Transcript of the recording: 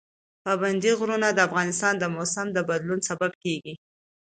پابندی غرونه د افغانستان د موسم د بدلون سبب کېږي.